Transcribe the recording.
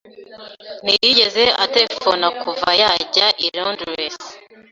Ntiyigeze aterefona kuva yajya i Londres.